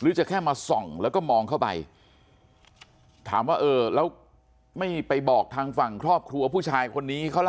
หรือจะแค่มาส่องแล้วก็มองเข้าไปถามว่าเออแล้วไม่ไปบอกทางฝั่งครอบครัวผู้ชายคนนี้เขาล่ะ